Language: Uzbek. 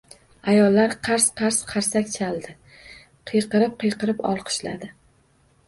Ayollar qars-qars qarsak chaldi. Qiyqirib-qiyqirib olqishladi.